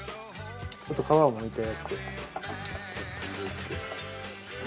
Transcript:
ちょっと皮をむいたやつで。